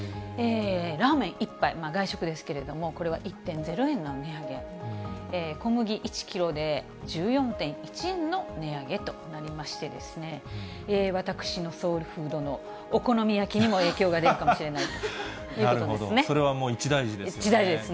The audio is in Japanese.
ラーメン１杯、外食ですけれども、これは１．０円の値上げ、小麦１キロで１４．１円の値上げとなりましてですね、私のソウルフードのお好み焼きにも影響が出るかもそれはもう一大事ですよね。